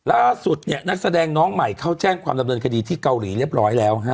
ล่าสุดเนี่ยนักแสดงน้องใหม่เข้าแจ้งความดำเนินคดีที่เกาหลีเรียบร้อยแล้วฮะ